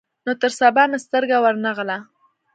نو تر سبا مې سترګه ور نه غله.